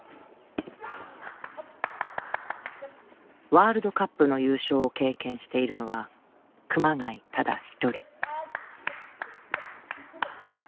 ワールドカップの優勝を経験しているのは熊谷ただ一人。